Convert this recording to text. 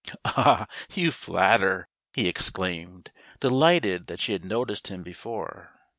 "Ah, you flatter!" he exclaimed, delighted that she had noticed him before.